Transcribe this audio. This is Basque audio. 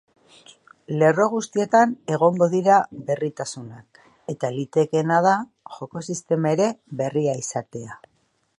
Lerro guztietan egongo dira berritasunak eta litekeena da joko sistema ere berria izatea.